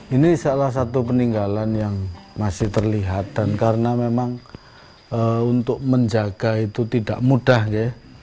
ini salah satu peninggalan yang masih terlihat dan karena memang untuk menjaga itu tidak mudah ya